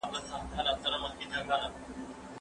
دې وطن کي نوم د پیر وي